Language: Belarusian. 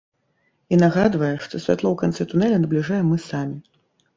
І нагадвае, што святло ў канцы тунэля набліжаем мы самі.